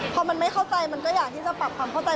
พอมันไม่เข้าใจมันก็อยากที่จะปรับความเข้าใจ